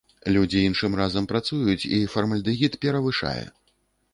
Людзі іншым разам працуюць, і фармальдэгід перавышае.